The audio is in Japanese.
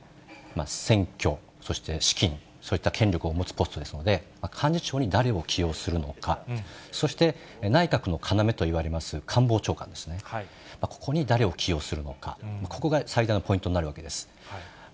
選挙、そして資金、そういった権力を持つポストですので、幹事長に誰を起用するのか、そして、内閣の要といわれます官房長官ですね、ここに誰を起用するのか、ここが最大のポイントになるわけです。